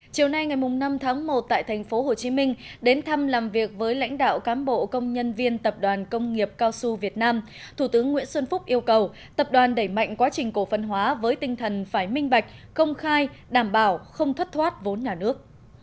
chiều nay ngày năm tháng một tại thành phố hồ chí minh đến thăm làm việc với lãnh đạo cám bộ công nhân viên tập đoàn công nghiệp cao su việt nam thủ tướng nguyễn xuân phúc yêu cầu tập đoàn đẩy mạnh quá trình cổ phân hóa với tinh thần phải minh bạch công khai đảm bảo không thất thoát vốn nhà nước